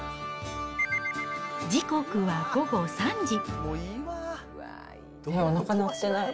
時刻は午後３時。